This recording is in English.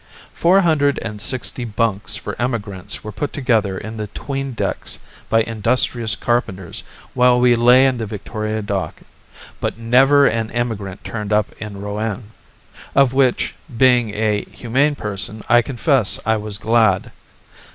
Four hundred and sixty bunks for emigrants were put together in the 'tween decks by industrious carpenters while we lay in the Victoria Dock, but never an emigrant turned up in Rouen of which, being a humane person, I confess I was glad.